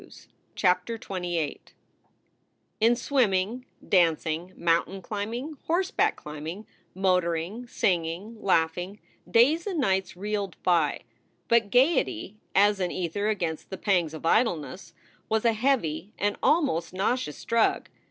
13 CHAPTER XXVIII IN swimming, dancing, mountain climbing, horseback climbing, motoring, singing, laughing, days and nights reeled by. But gayety as an ether against the pangs of idleness was a heavy, an almost nauseous, drug.